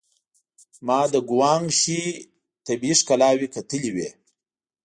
ما د ګوانګ شي طبيعي ښکلاوې کتلې وې.